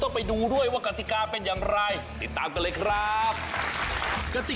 แล้วเป็นคนอยากได้สักคันอยากได้สักคันแต่เราไม่มีสิทธิ์